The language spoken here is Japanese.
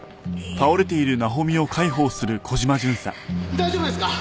大丈夫ですか？